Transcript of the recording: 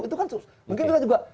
itu kan mungkin kita juga